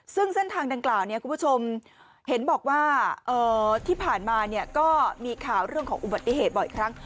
ซึ่งเส้นทางดังกล่าวคุณผู้ชมเห็นบอกว่าที่ผ่านมาก็มีข่าวเรื่องของอุบัติเหตุบ่อยครั้ง